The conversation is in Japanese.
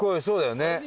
そうだよね。